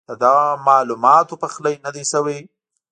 ددغه معلوماتو پخلی نۀ دی شوی